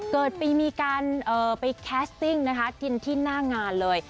เกิดปีมีการไปแคสติ้งนะคะกินที่หน้างานเลย